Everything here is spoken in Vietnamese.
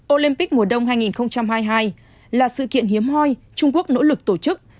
olympic mùa đông hai nghìn hai mươi hai là sự kiện hiếm hoi trung quốc nỗ lực tổ chức